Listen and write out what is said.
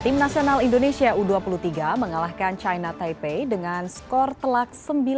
tim nasional indonesia u dua puluh tiga mengalahkan china taipei dengan skor telak sembilan puluh